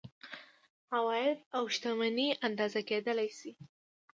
عواید او شتمني اندازه کیدلی شي.